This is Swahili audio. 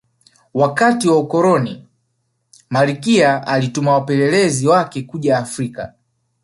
wakati wa ukoloni malkia alituma wapelelezi wake kuja afrika